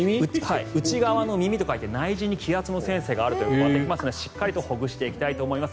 内側の耳と書いて、内耳に気圧のセンサーがあるということでしっかりとほぐしていきたいと思います。